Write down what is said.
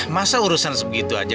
masa urusan sebegitu aja